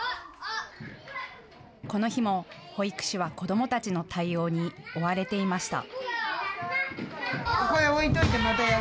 この日も保育士は子どもたちの対応に追われていました。